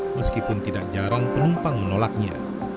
meskipun tidak jarang penumpang menolaknya